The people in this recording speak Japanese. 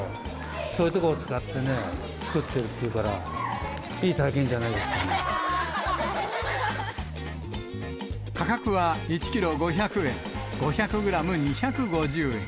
そういうとこを使ってね、作ってるっていうから、いい体験じゃな価格は１キロ５００円、５００グラム２５０円。